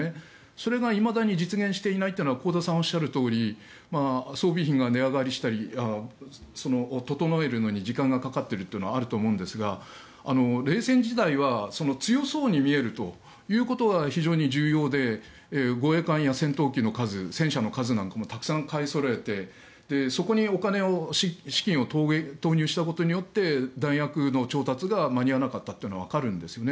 それがいまだに実現していないというのは香田さんがおっしゃるとおり装備品が値上がりしたり整えるのに時間がかかっているというのはあると思うんですが冷戦時代は強そうに見えるということが非常に重要で護衛艦や戦闘機の数戦車の数なんかもたくさん買いそろえてそこにお金を資金を投入したことによって弾薬の調達が間に合わなかったというのはわかるんです。